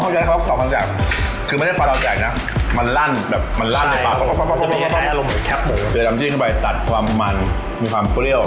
แล้วว่าคือแบบเวลากินมันฉุบอยู่ในฝากเราเลย